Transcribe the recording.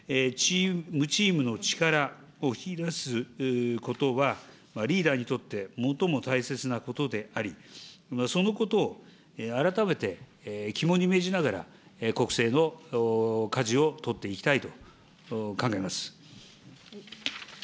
チームの力を引き出すことは、リーダーにとって最も大切なことであり、そのことを改めて肝に銘じながら、国政のかじを取っていきたいと考えます。